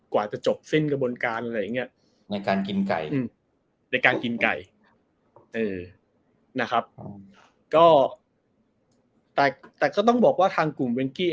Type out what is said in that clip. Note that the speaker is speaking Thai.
กว่าจะจบสิ้นกรบนการอะไรอย่างนี้